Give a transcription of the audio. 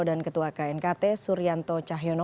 dan ketua knkt suryanto cahyono